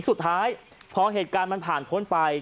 สุดท้ายพอเหตุการณ์มันผ่านพ้นไป